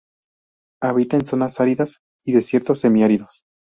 Habita en zonas áridas y desiertos semiáridos.